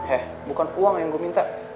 eh bukan uang yang gue minta